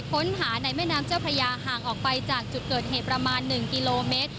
ค้นหาในแม่น้ำเจ้าพระยาห่างออกไปจากจุดเกิดเหตุประมาณ๑กิโลเมตร